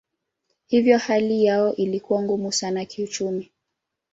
Hivyo hali yao ilikuwa ngumu sana kiuchumi.